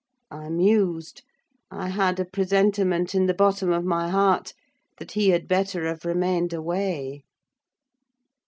I mused: I had a presentiment in the bottom of my heart that he had better have remained away.